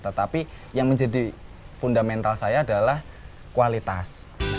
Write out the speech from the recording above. tetapi yang menjadi fundamental saya adalah kualitas